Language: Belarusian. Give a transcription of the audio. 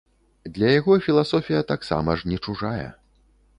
Для яго філасофія таксама ж не чужая.